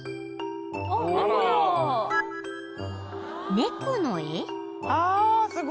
［猫の絵？］